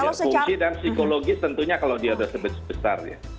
fungsi dan psikologi tentunya kalau dia sudah sebesar